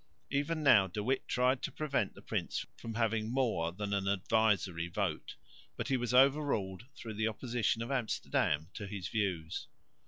Even now De Witt tried to prevent the prince from having more than an advisory vote, but he was overruled through the opposition of Amsterdam to his views.